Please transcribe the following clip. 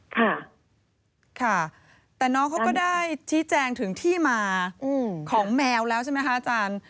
ค่ะค่ะแต่น้องเขาก็ได้ชี้แจงถึงที่มาของแมวแล้วใช่ไหมคะอาจารย์